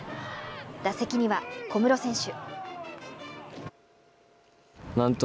打席には小室選手。